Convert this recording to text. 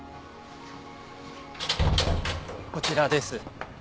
こちらです。